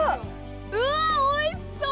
うわおいしそう！